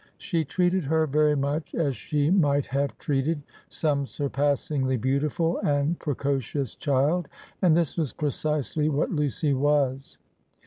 She treated her very much as she might have treated some surpassingly beautiful and precocious child; and this was precisely what Lucy was.